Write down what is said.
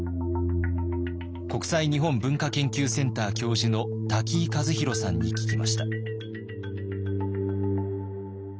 国際日本文化研究センター教授の瀧井一博さんに聞きました。